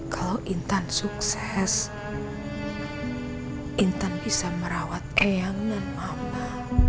kalau intan sukses intan bisa merawat eyang dan mama